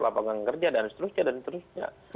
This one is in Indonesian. lapangan kerja dan seterusnya